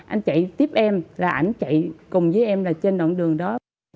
anh chạy tiếp em là anh chạy cùng với em là trên đoạn đường đó